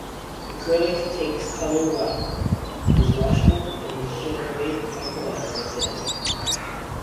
Acrylic takes color well, is washable, and is generally hypoallergenic.